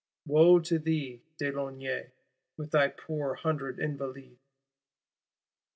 Wo to thee, de Launay, with thy poor hundred Invalides!